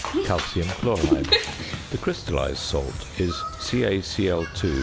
~Calcium Chloride.~ The crystallised salt is CaCl_.